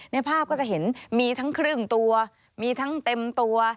ในภาพก็จะเห็นมีทั้งครึ่งตัวมีทั้งเต็มตัว